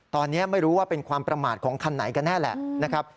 ตอนนี้ไม่รู้ว่าเป็นความประมาทของคันไหนกันแน่แหละนะครับ